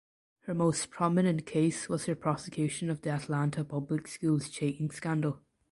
Her most prominent case was her prosecution of the Atlanta Public Schools cheating scandal.